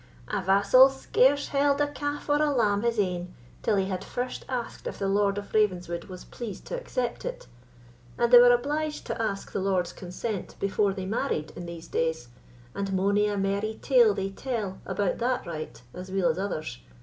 "A vassal scarce held a calf or a lamb his ain, till he had first asked if the Lord of Ravenswood was pleased to accept it; and they were obliged to ask the lord's consent before they married in these days, and mony a merry tale they tell about that right as weel as others.